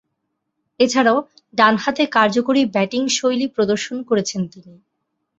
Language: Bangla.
এছাড়াও, ডানহাতে কার্যকরী ব্যাটিংশৈলী প্রদর্শন করেছেন তিনি।